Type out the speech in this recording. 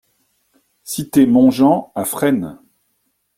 Cité Montjean à Fresnes